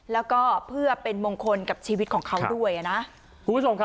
แล้วก็เพื่อเป็นมงคลกับชีวิตของเขาด้วยอ่ะนะคุณผู้ชมครับ